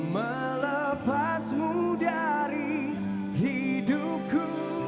melepasmu dari hidupku